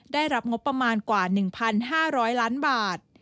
ได้รับงบประมาณกว่า๑๕๐๐ล้านบาท